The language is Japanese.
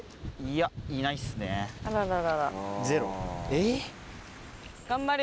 えっ？